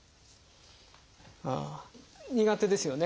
苦手ですよね。